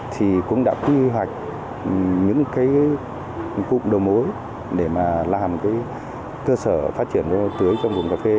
thì cũng đã quy hoạch những cái cụm đầu mối để mà làm cái cơ sở phát triển tưới cho vùng cà phê